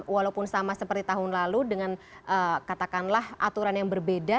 walaupun sama seperti tahun lalu dengan katakanlah aturan yang berbeda